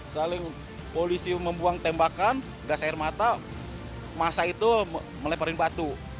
saling polisi membuang tembakan gas air mata masa itu meleparin batu